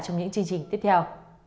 trong những chương trình tiếp theo